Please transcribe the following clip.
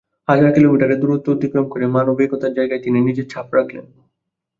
হাজার কিলোমিটারের দূরত্ব অতিক্রম করে মানবিকতার জায়গায় তিনি নিজের ছাপ রাখলেন।